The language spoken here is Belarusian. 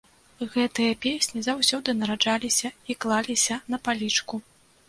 Гэтыя песні заўсёды нараджаліся і клаліся на палічку.